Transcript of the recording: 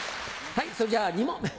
はいそれじゃあ２問目。